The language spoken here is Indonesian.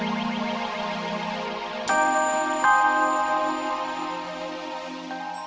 udah cepetan sana tidur